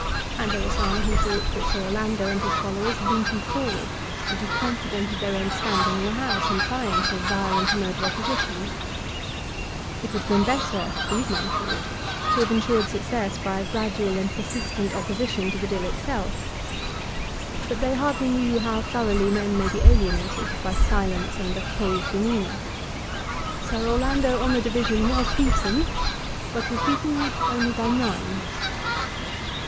And there were some who thought that Sir Orlando and his followers had been too forward, and too confident of their own standing in the House, in trying so violent a mode of opposition. It would have been better, these men thought, to have insured success by a gradual and persistent opposition to the Bill itself. But they hardly knew how thoroughly men may be alienated by silence and a cold demeanour. Sir Orlando on the division was beaten, but was beaten only by nine.